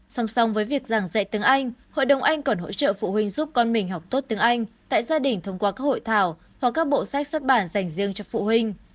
song song với việc giảng dạy tiếng anh hội đồng anh còn hỗ trợ phụ huynh giúp con mình học tốt tiếng anh tại gia đình thông qua các hội thảo hoặc các bộ sách xuất bản dành riêng cho phụ huynh